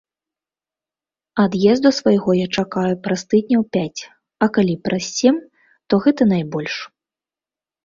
Ад'езду свайго я чакаю праз тыдняў пяць, а калі праз сем, то гэта найбольш.